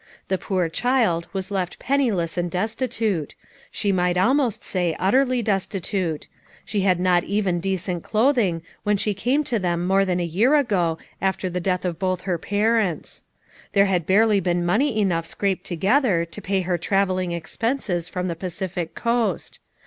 The poor child was left penniless and destitute ; she might almost say utterly destitute ; she had not even decent clothing, when she came to them more than a year ago, after the death of both her parents. There had barely been money enough scraped together to pay her traveling expenses from the Pacific coast.